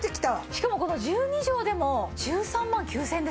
しかもこの１２畳でも１３万９０００円ですか？